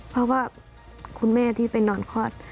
เพราะว่าคุณแม่ที่ไปนอนคลอด